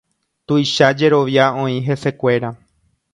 Tuicha jerovia oĩ hesekuéra.